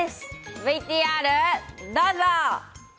ＶＴＲどうぞ。